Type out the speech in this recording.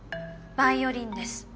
バイオリンです。